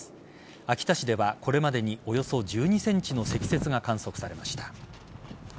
秋田市ではこれまでにおよそ１２ｃｍの積雪が観測されました。